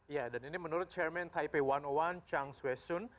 ya dan ini menurut chairman taipei satu ratus satu chang shui sun